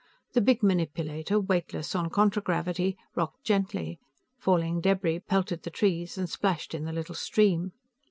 The big manipulator, weightless on contragravity, rocked gently; falling debris pelted the trees and splashed in the little stream.